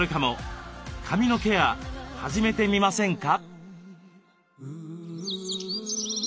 髪のケア始めてみませんか？